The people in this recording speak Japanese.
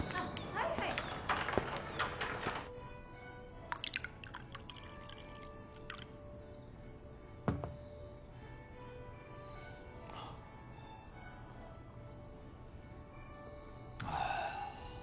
はいはいあっ